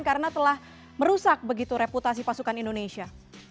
karena telah merusak begitu reputasi pasukan indonesia